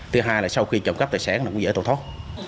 thứ hai là sau khi trộm cắp tài sản cũng dễ tổn thoát